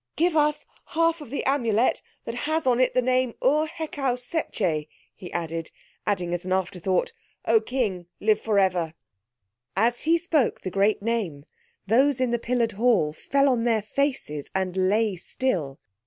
"Give us the half of the Amulet that has on it the name UR HEKAU SETCHEH," he said, adding as an afterthought, "O King, live for ever." As he spoke the great name those in the pillared hall fell on their faces, and lay still.